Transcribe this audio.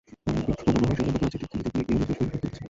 আমার মনে হয় সে যেন কাজে ডুবিয়া গিয়া নিজের শরীরপাত করিতেছে।